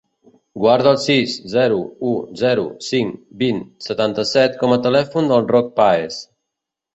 Guarda el sis, zero, u, zero, cinc, vint, setanta-set com a telèfon del Roc Paez.